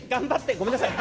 ごめんなさい。